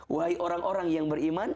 wahai orang orang yang beriman